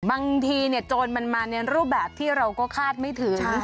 บางทีโจรมันมาในรูปแบบที่เราก็คาดไม่ถึง